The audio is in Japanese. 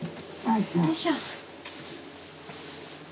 よいしょ。